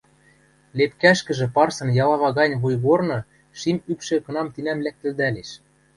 Лепкӓшкӹжӹ парсын ялава гань вуйгорны шим ӱпшӹ кынам-тинӓм лӓктӹлдӓлеш.